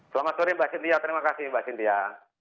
selamat sore mbak cynthia terima kasih mbak cynthia